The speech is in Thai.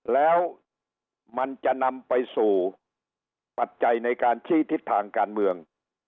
แล้วมันจะนำไปสู่ปัจจัยในการชี้ทิศทางการเมือง